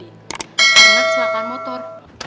karena kesalahan motor